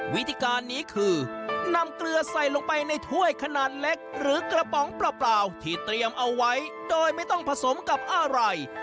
วิธีการนี้คือนำเกลือใส่ลงไปในถ้วยขนาดเล็กหรือกระป๋องเปล่าที่เตรียมเอาไว้โดยไม่ต้องผสมกับอะไร